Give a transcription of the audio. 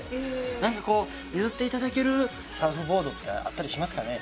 何かこう譲っていただけるサーフボードってあったりしますかね。